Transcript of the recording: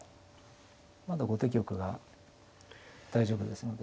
まだ後手玉が大丈夫ですので。